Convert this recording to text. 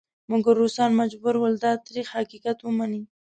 مګر روسان مجبور ول دا تریخ حقیقت ومني.